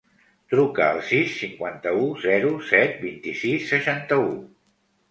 Truca al sis, cinquanta-u, zero, set, vint-i-sis, seixanta-u.